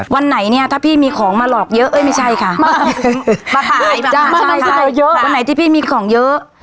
วันไหนเนี่ยถ้าพี่มีของมาหลอกเยอะเอ้ยไม่ใช่ค่ะมาขายบ้างเยอะวันไหนที่พี่มีของเยอะ